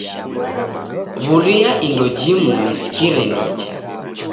W'uria indo jimu nisikire nicha.